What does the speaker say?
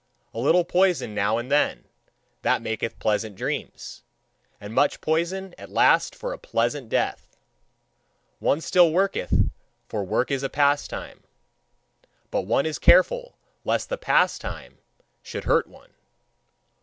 A little poison now and then: that maketh pleasant dreams. And much poison at last for a pleasant death. One still worketh, for work is a pastime. But one is careful lest the pastime should hurt one.